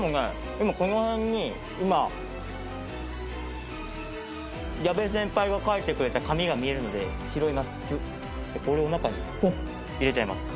今このへんに今矢部先輩が書いてくれた紙が見えるので拾いますギュッこれを中にポンッ入れちゃいます